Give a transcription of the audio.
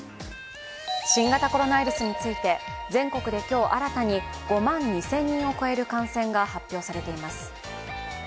新型コロナウイルスについて全国で今日新たに５万２０００人を超える感染が発表されています。